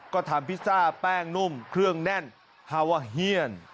ก็ทำพิซซ่าแป้งนุ่มเครื่องแน่นฮาวาเฮียน